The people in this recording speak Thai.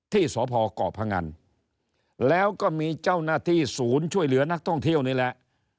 ที่สพก่อพงันแล้วก็มีเจ้าหน้าที่ศูนย์ช่วยเหลือนักท่องเที่ยวนี่แหละ